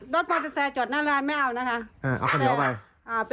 รถรถจะแซะจอด้านร้านไม่เอานะคะ